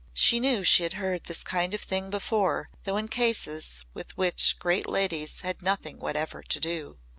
She knew she had heard this kind of thing before though in cases with which great ladies had nothing whatever to do.